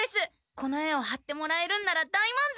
この絵をはってもらえるんなら大まんぞくです。